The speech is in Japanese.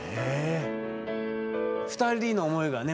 ２人の思いがね